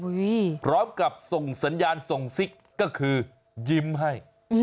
พร้อมกับส่งสัญญาณส่งซิกก็คือยิ้มให้